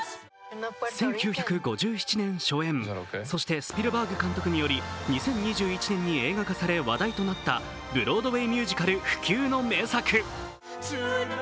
１９５７年初演、そしてスピルバーグ監督により２０２１年に映画化され話題となったブロードウェイミュージカル不朽の名作。